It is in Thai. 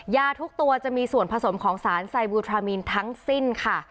ยาทุกตัวจะมีส่วนผสมของสารไซบูทรามีนทั้งสิ้นค่ะ